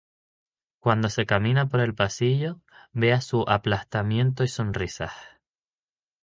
Cuando se camina por el pasillo, ve a su aplastamiento y sonrisas.